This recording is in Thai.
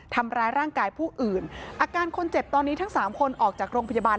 ทำร้ายร่างกายผู้อื่นอาการคนเจ็บตอนนี้ทั้งสามคนออกจากโรงพยาบาล